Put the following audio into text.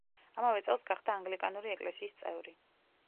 ამავე წელს გახდა ანგლიკანური ეკლესიის წევრი.